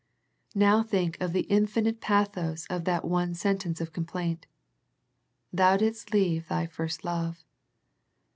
Now think of the infinite pathos of that one sentence of complaint. " Thou didst leave thy first love."